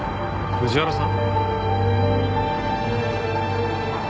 藤原さん！」